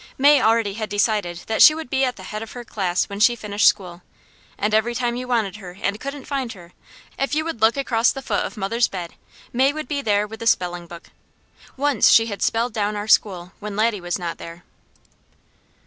May already had decided that she would be at the head of her class when she finished school, and every time you wanted her and couldn't find her, if you would look across the foot of mother's bed, May would be there with a spelling book. Once she had spelled down our school, when Laddie was not there.